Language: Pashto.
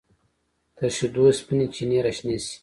تر شیدو سپینې چینې راشنې شي